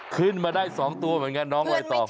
ขึ้นมาได้๒ตัวเหมือนกันน้องใบตอง